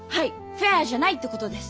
フェアじゃないってことです。